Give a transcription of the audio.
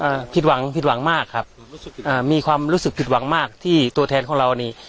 ผิดหวังผิดหวังมากครับอ่ามีความรู้สึกผิดหวังมากที่ตัวแทนของเรานี่